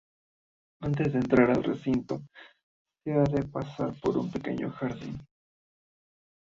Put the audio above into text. Antes de entrar en el recinto se ha de pasar por un pequeño jardín.